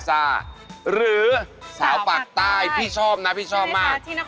เจ้าคลายดินหวงหญิงแนน